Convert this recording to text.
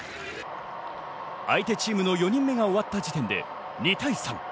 相手チームの４人目が終わった時点で２対３。